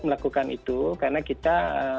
melakukan itu karena kita